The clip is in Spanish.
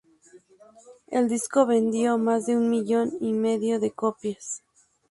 El disco vendió más de un millón y medio de copias.